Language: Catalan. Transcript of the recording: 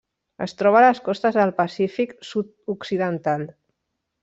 Es troba a les costes del Pacífic sud-occidental.